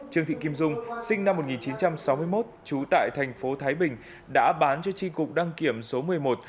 trương thị kim dung sinh năm một nghìn chín trăm sáu mươi một trú tại thành phố thái bình đã bán cho tri cục đăng kiểm số một mươi một